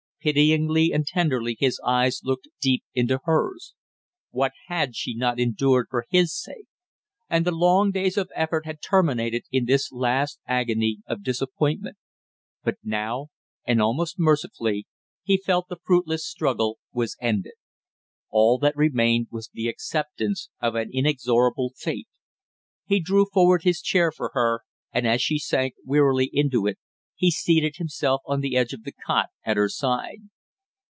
Pityingly and tenderly his eyes looked deep into hers. What had she not endured for his sake! And the long days of effort had terminated in this last agony of disappointment; but now, and almost mercifully, he felt the fruitless struggle was ended. All that remained was the acceptance of an inexorable fate. He drew forward his chair for her, and as she sank wearily into it, he seated himself on the edge of the cot at her side.